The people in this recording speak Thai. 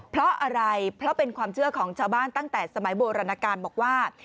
เพราะอะไรเพราะเป็นความเชื่อของชาวบ้านตั้งแต่สมัยโบราณการบอกว่า